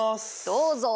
どうぞ。